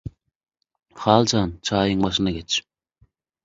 - Haljan, çaýyň başyna geç